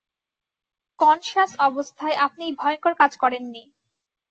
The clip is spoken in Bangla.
কনশ্যাস অবস্থায় আপনি এই ভয়ংকর কাজ করেন নি।